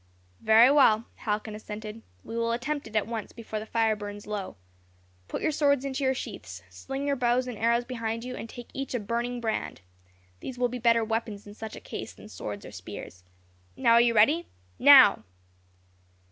"Very well," Halcon assented; "we will attempt it at once before the fire burns low. Put your swords into your sheaths, sling your bows and arrows behind you, and take each a burning brand. These will be better weapons in such a case than swords or spears. Now, are you ready? Now!"